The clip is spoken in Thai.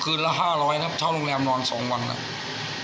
คืนละห้าร้อยนะครับเช่าโรงแรมนอนสองวันนะครับ